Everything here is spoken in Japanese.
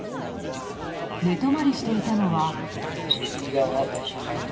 寝泊まりしていたのは。